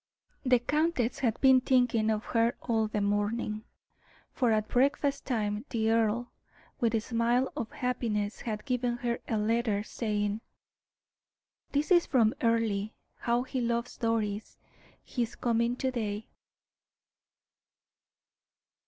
The countess had been thinking of her all the morning, for at breakfast time the earl, with a smile of happiness, had given her a letter, saying: "This is from Earle; how he loves Doris. He is coming to day."